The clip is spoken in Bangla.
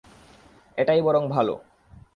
এটাই বরং ভালো।